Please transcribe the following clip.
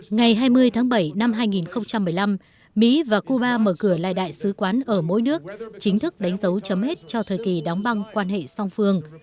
ngày hai mươi tháng bảy năm hai nghìn một mươi năm mỹ và cuba mở cửa lại đại sứ quán ở mỗi nước chính thức đánh dấu chấm hết cho thời kỳ đóng băng quan hệ song phương